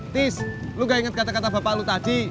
tis lu gak ingat kata kata bapak lu tadi